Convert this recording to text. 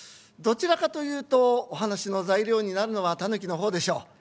どちらかというとお噺の材料になるのはタヌキの方でしょう。